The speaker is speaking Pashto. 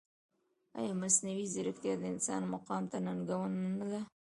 ایا مصنوعي ځیرکتیا د انسان مقام ته ننګونه نه ده؟